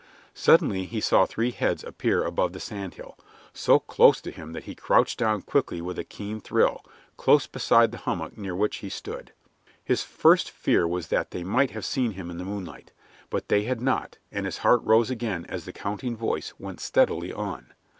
Suddenly he saw three heads appear above the sand hill, so close to him that he crouched down quickly with a keen thrill, close beside the hummock near which he stood. His first fear was that they might have seen him in the moonlight; but they had not, and his heart rose again as the counting voice went steadily on.